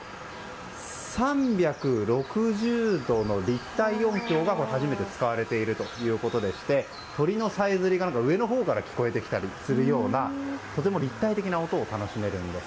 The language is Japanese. ３６０度の立体音響が初めて使われているということでして鳥のさえずりが、上のほうから聞こえてきたりするようなとても立体的な音を楽しめるんです。